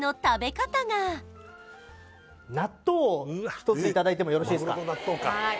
さらにいただいてもよろしいですか？